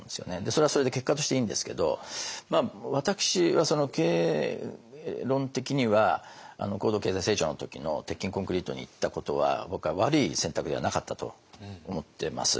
それはそれで結果としていいんですけど私は経営論的には高度経済成長の時の鉄筋コンクリートにいったことは僕は悪い選択ではなかったと思ってます。